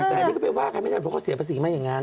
อันนี้ก็เป็นว่าเค้าเสียภาษีมากอย่างนั้น